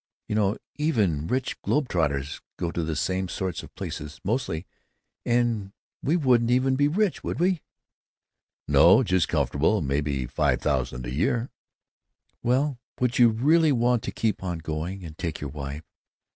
You know, even rich globe trotters go to the same sorts of places, mostly. And we wouldn't even be rich, would we?" "No, just comfortable; maybe five thousand a year." "Well, would you really want to keep on going, and take your wife?